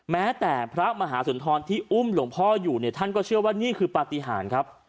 แม้แต่พระมหาสุนทรที่อุ้มหลวงพ่ออยู่เนี่ยท่านก็เชื่อว่านี่คือปฏิหารครับ